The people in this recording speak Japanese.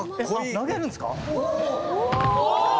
投げるんですか？